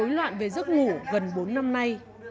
do bị dối loạn về giấc ngủ gần bốn năm nay